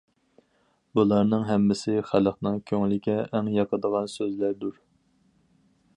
بۇلارنىڭ ھەممىسى خەلقنىڭ كۆڭلىگە ئەڭ ياقىدىغان سۆزلەردۇر.